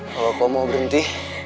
kalau kau mau berhenti